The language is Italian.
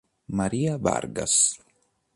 Maria Vargas